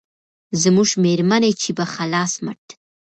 زموږ مېرمنې چې په خلاص مټ